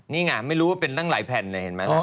นี่ไงไม่รู้ว่าเป็นตั้งหลายแผ่นเลยเห็นไหมล่ะ